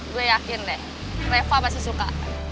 gue yakin deh reva pasti suka